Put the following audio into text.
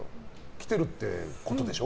来てるってことでしょ？